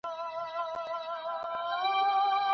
په سياست کي بايد د بل لوري خبرو ته غوږ ونيول سي.